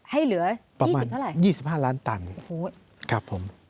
ให้เหลือประมาณ๒๕ล้านตันครับผม